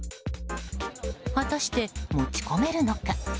果たして持ち込めるのか。